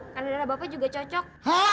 karena darah bapak juga cocok